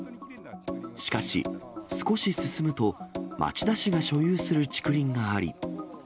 しかし、少し進むと、町田市が所有する竹林があり。